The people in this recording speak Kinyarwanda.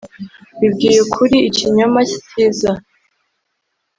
Bibwiye ukuri ikinyoma sikiza